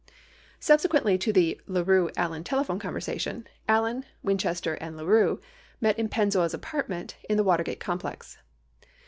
66 Subsequent to the La Rue Alien telephone conversation, Allen, Winchester, and La Rue met in Pennzoil's apartment in the Water gate complex.